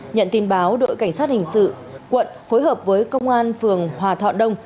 nhận tin báo đội cảnh sát hình sự quận phối hợp với công an phường hòa thọ đông